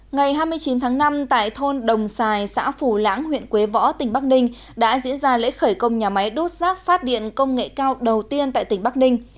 ngày hai mươi chín tháng năm tại thôn đồng xài xã phù lãng huyện quế võ tỉnh bắc ninh đã diễn ra lễ khởi công nhà máy đốt rác phát điện công nghệ cao đầu tiên tại tỉnh bắc ninh